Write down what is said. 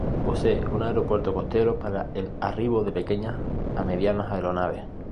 Posee un aeropuerto costero para el arribo de pequeñas a medianas aeronaves.